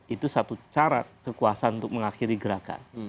itu satu cara kekuasaan untuk mengakhiri gerakan